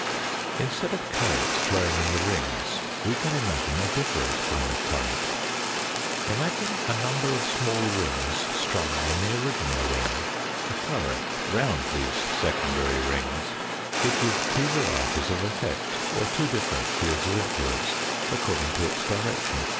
Instead of currents flowing in the rings we can imagine a different kind of current. Imagine a number of small rings strung on the original ring. A current round these secondary rings would give two varieties of effect, or two different fields of influence, according to its direction.